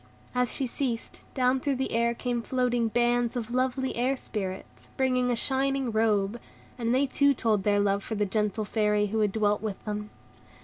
As she ceased, down through the air came floating bands of lovely Air Spirits, bringing a shining robe, and they too told their love for the gentle Fairy who had dwelt with them.